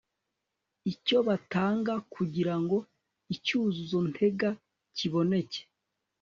icyo batanga kugira ngo icyuzuzo ntega kiboneke